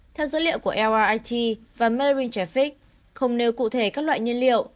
theo dữ liệu của lrit và marine traffic không nêu cụ thể các loại nhân liệu